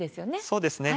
そうですね。